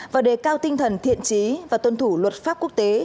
và đề cao tinh thần thiện trí và tuân thủ luật pháp quốc tế